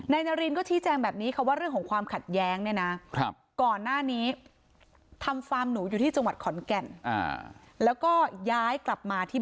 ในนารินก็ชี้แจงแบบนี้ค่ะว่าเรื่องของความขัดแย้งเนี่ยนะ